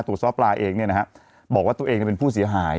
ซ้อปลาเองเนี่ยนะฮะบอกว่าตัวเองเป็นผู้เสียหาย